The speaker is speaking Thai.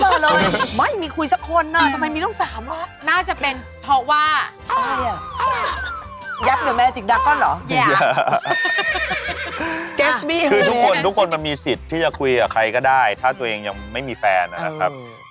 คือทุกคนทุกคนมันมีสิทธิ์ที่จะคุยกับใครก็ได้ถ้าตัวเองยังไม่มีแฟนนะครับ